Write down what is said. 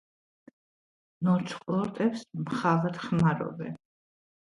ნორჩ ყლორტებს მხალად ხმარობენ.